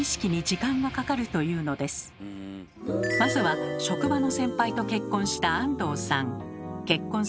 まずは職場の先輩と結婚した安藤さん。